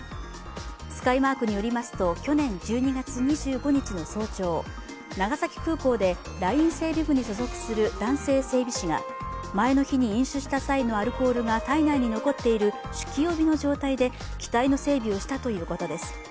スカイマークによりますと去年１２月２５日の早朝長崎空港でライン整備部に所属する男性整備士が前の日に飲酒した際のアルコールが体内に残っている酒気おびの状態で機体の整備をしたということです。